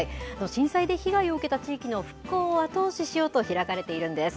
震災で被害を受けた地域の復興を後押ししようと開かれているんです。